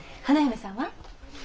花嫁さんは？